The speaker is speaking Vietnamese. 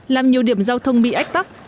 làm nhiều điểm giao thông bị ách tắt